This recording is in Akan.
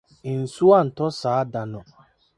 Nsu antɔ saa da no.